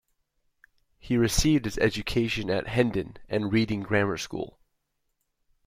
He received his education at Hendon, and Reading grammar school.